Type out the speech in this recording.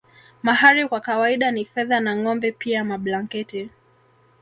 Mahari kwa kawaida ni fedha na ngombe pia mablanketi